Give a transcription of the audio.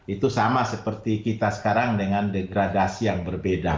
itu sama seperti kita sekarang dengan degradasi yang berbeda